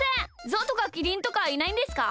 ゾウとかキリンとかいないんですか？